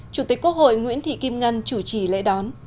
chủ tịch quốc hội nguyễn thị kim ngân chủ trì lễ đón